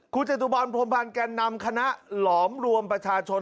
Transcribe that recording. คุณจตุพรพรมพันธ์แก่นำคณะหลอมรวมประชาชน